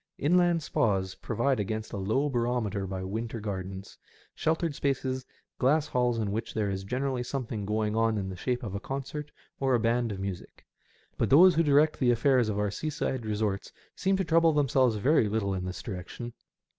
Inland spas provide against a low barometer by winter gardens, sheltered spaces, glass halls in which there is generally something going on in the shape of a concert or a band of music. But those who direct the affairs of our seaside resorts seem to trouble themselves very little in this direction.